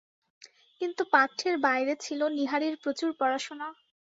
কিন্তু পাঠ্যের বাইরে ছিল নীহারের প্রচুর পড়াশুনা।